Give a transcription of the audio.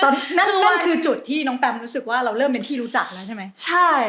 นั่นนั่นคือจุดที่น้องแปมรู้สึกว่าเราเริ่มเป็นที่รู้จักแล้วใช่ไหมใช่